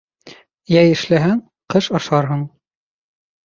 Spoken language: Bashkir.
Йәй эшләһәң, ҡыш ашарһың.